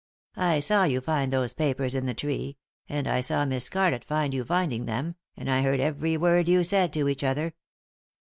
I saw you find those papers in the tree, and I saw Miss Scarlett find you finding them, and I heard every word you said to each other.